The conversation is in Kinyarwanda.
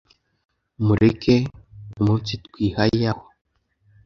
mureka umunsitwihaya ho